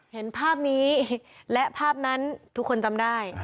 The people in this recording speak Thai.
เห็นภาพนี้และภาพนั้นทุกคนจำได้